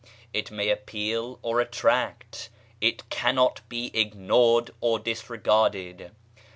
It may appal or attract: it cannot be ignored or disregarded.